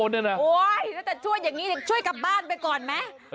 แล้วจะช่วยอย่างนี้ช่วยกลับบ้านไปก่อนไหม